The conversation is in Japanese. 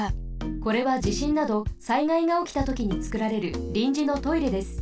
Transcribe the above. これはじしんなど災害がおきたときにつくられるりんじのトイレです。